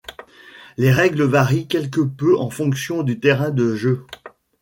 Les règles varient quelque peu en fonction du terrain de jeu.